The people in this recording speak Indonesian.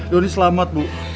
doni selamat bu